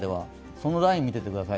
そのラインを見ていてください。